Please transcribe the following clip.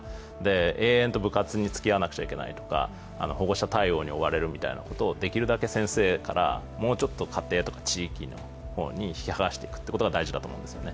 延々と部活につきあわなくちゃいけないとか保護者対応に追われるとかできるだけ先生からもうちょっと家庭とか地域に引き剥がしていくことが大事だと思うんですね